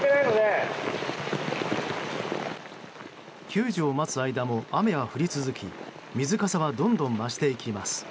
救助を待つ間も雨は降り続き水かさはどんどん増していきます。